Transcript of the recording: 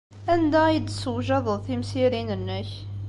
Anda ay d-tessewjadeḍ timsirin-nnek?